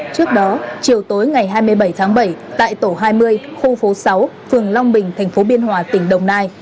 trước đó chiều tối ngày hai mươi bảy tháng bảy tại tổ hai mươi khu phố sáu phường long bình tp biên hòa tỉnh đồng nai